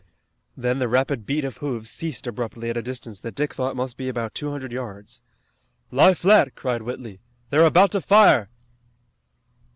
Then the rapid beat of hoofs ceased abruptly at a distance that Dick thought must be about two hundred yards. "Lie flat!" cried Whitley. "They're about to fire!"